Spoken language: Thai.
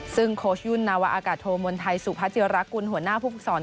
ซึ่งโคชยุนนวาอากาศโทมวลไทยสุพจิรกรหัวหน้าภูกษร